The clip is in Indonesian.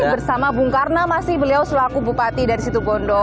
bersama bung karno masih beliau selaku bupati dari situ bondo